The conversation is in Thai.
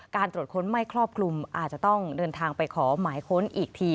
การตรวจค้นไม่ครอบคลุมอาจจะต้องเดินทางไปขอหมายค้นอีกที